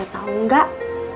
kamu tau gak